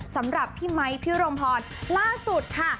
สำหรับพี่ไมค์พี่รมพรล่าสุดค่ะ